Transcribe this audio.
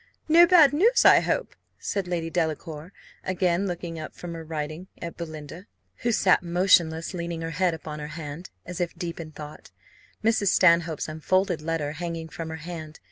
"No bad news, I hope?" said Lady Delacour, again looking up from her writing at Belinda, who sat motionless, leaning her head upon her hand, as if deep in thought, Mrs. Stanhope's unfolded letter hanging from her hand.